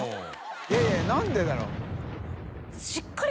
い笋い何でだろう？